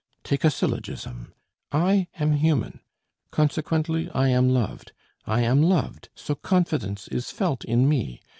Take a syllogism. I am human, consequently I am loved. I am loved, so confidence is felt in me.